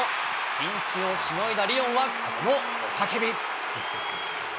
ピンチをしのいだリオンはこの雄たけび。